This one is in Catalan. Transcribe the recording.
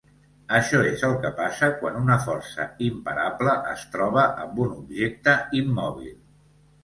Això és el que passa quan una força imparable es troba amb un objecte immòbil.